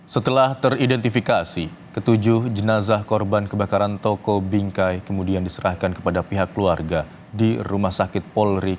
setelah teridentifikasi ketujuh jenazah korban kebakaran toko bingkai kemudian diserahkan kepada pihak keluarga di rumah sakit polri